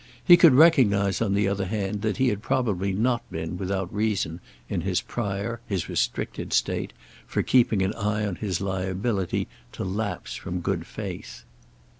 He could recognise on the other hand that he had probably not been without reason, in his prior, his restricted state, for keeping an eye on his liability to lapse from good faith.